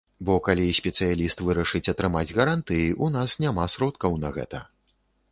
Бо калі спецыяліст вырашыць атрымаць гарантыі, у нас няма сродкаў на гэта.